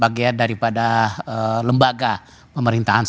bagian daripada lembaga pemerintahan